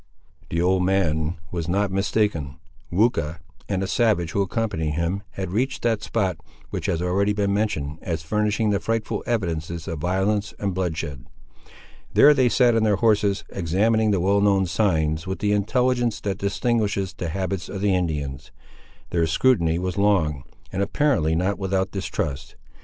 The old man was not mistaken. Weucha, and a savage who accompanied him, had reached that spot, which has already been mentioned as furnishing the frightful evidences of violence and bloodshed. There they sat on their horses, examining the well known signs, with the intelligence that distinguishes the habits of Indians. Their scrutiny was long, and apparently not without distrust.